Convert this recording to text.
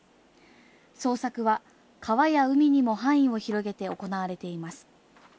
捜索は川や海にも範囲を広げて行われています。